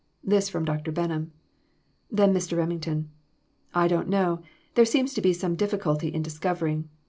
This from Dr. Benham. Then Mr. Remington "I don't know. There seems to be some difficulty in discovering.